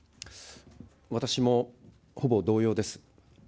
私もほぼ同様です。